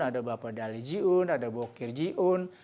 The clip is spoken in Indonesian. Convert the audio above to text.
ada bapak dali jiun ada bokir jiun